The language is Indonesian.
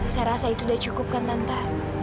saya rasa itu udah cukup kan tante